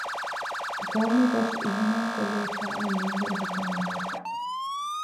ޤައުމީ ބަސް އިހުމާލުކޮށްލެވިފައި އޮތް މިންވަރު ހިތަށް އަރައިފަ